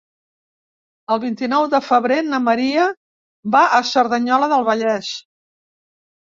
El vint-i-nou de febrer na Maria va a Cerdanyola del Vallès.